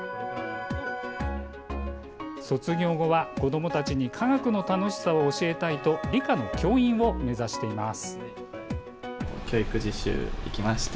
卒業後は、子どもたちに科学の楽しさを教えたいと理科の教員を目指しています。